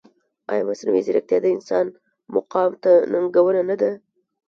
ایا مصنوعي ځیرکتیا د انسان مقام ته ننګونه نه ده؟